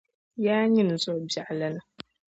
Yaa nyini zuɣu biɛɣu lana.